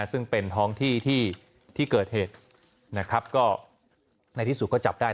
ซึ่งเป็นท้องที่ที่เกิดเหตุนะครับก็ในที่สุดก็จับได้